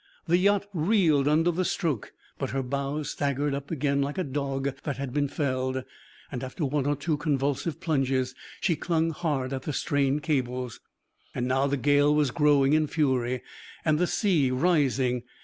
The yacht reeled under the stroke, but her bows staggered up again like a dog that has been felled, and after one or two convulsive plunges she clung hard at the strained cables. And now the gale was growing in fury, and the sea rising.